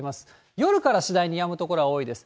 夜から次第にやむ所は多いです。